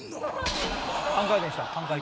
半回転した。